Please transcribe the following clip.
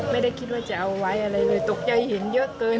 ไม่ได้คิดว่าจะเอาไว้อะไรเลยตกใจเห็นเยอะเกิน